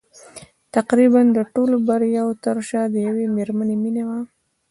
تقريباً د ټولو د برياوو تر شا د يوې مېرمنې مينه وه.